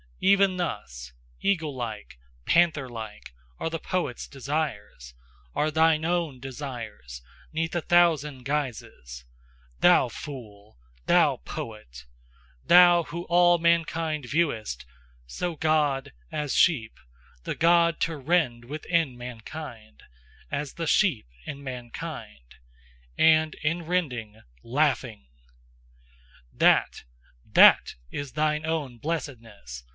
Even thus, Eaglelike, pantherlike, Are the poet's desires, Are THINE OWN desires 'neath a thousand guises, Thou fool! Thou poet! Thou who all mankind viewedst So God, as sheep : The God TO REND within mankind, As the sheep in mankind, And in rending LAUGHING THAT, THAT is thine own blessedness!